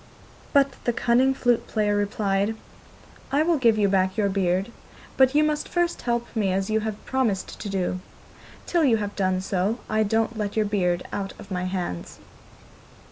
But the cunning flute player replied: 'I will give you back your beard, but you must first help me as you have promised to do. Till you have done so, I don't let your beard out of my hands.